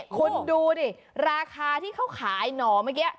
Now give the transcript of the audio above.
คุณดูดิราคาที่เขาขายหน่อเมื่อกี้